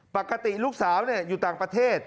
ปกติลูกสาวอยู่ต่างประเทศ